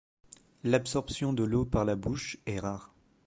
L'absorption de l'eau par la bouche est rare.